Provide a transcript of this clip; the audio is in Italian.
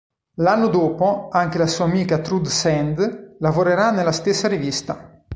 L'anno dopo anche la sua amica Trude Sand lavorerà nella stessa rivista.